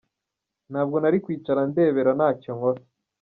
Ntabwo nari kwicara ndebera ntacyo nkora".